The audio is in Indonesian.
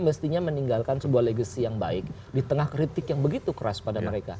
mestinya meninggalkan sebuah legacy yang baik di tengah kritik yang begitu keras pada mereka